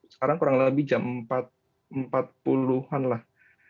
sekarang kurang lebih jam empat puluh an lah